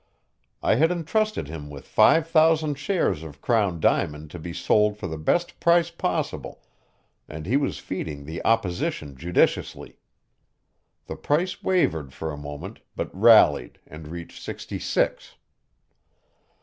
I had entrusted him with five thousand shares of Crown Diamond to be sold for the best price possible, and he was feeding the opposition judiciously. The price wavered for a moment, but rallied and reached sixty six.